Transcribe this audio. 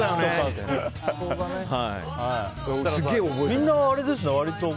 みんなあれですね、割と。